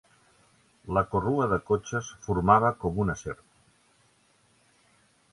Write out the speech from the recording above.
La corrua de cotxes formava com una serp.